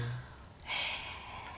へえ。